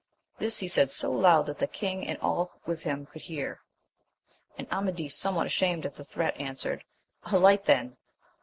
This he said so loud that the king and all with him could hear; and Amadis, somewhat ashamed at the threat, answered. Alight then